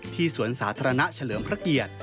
สวนสาธารณะเฉลิมพระเกียรติ